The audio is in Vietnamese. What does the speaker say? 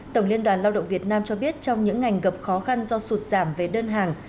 tổng liên đoàn lao động việt nam cho biết trong những ngành gặp khó khăn do sụt giảm về đơn hàng